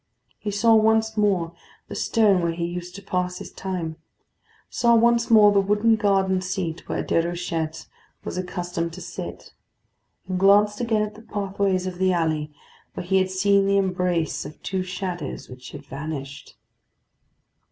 He saw once more the stone where he used to pass his time; saw once more the wooden garden seat where Déruchette was accustomed to sit, and glanced again at the pathway of the alley where he had seen the embrace of two shadows which had vanished.